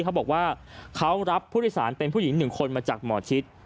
เขาบอกว่าเขารับผู้โดยสารเป็นผู้หญิง๑คนมาจากหมอชิด